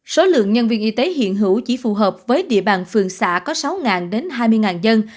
số lượng nhân viên y tế hiện hữu chỉ phù hợp với địa bàn phường xã có sáu đến hai mươi dân